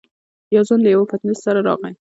يو ځوان له يوه پتنوس سره راغی.